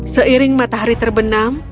seiring matahari terbenam